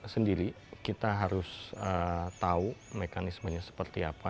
sendiri kita harus tahu mekanismenya seperti apa